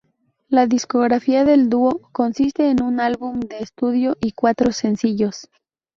La discografía del dúo consiste en un álbum de estudio y cuatro sencillos.